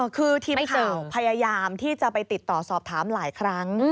คือทีมข่าวพยายามที่จะไปติดต่อสอบถามหลายครั้ง